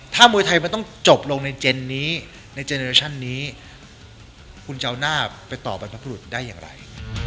ถ้ามวยไทยมันต้องจบลงในเจนนี้ในเจนเรชั่นนี้คุณจะเอาหน้าไปต่อบรรพบรุษได้อย่างไร